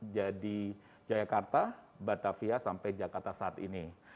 jadi jakarta batavia sampai jakarta saat ini